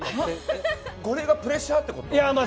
ゴリエがプレッシャーってこと？